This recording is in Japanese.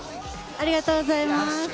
ありがとうございます。